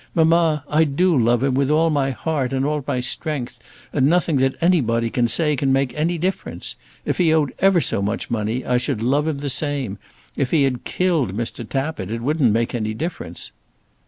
Mamma, I do love him, with all my heart and all my strength, and nothing that anybody can say can make any difference. If he owed ever so much money I should love him the same. If he had killed Mr. Tappitt it wouldn't make any difference."